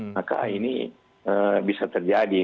maka ini bisa terjadi